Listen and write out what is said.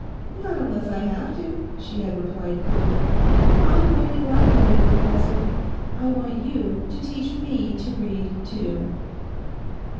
"Not unless I have to," she had replied coolly. "I'm going to blackmail you, professor. I want you to teach me to read, too."